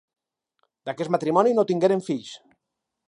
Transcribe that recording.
D'aquest matrimoni no tingueren fills.